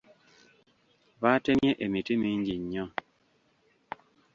Baatemye emiti mingi nnyo.